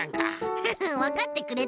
フフッわかってくれた？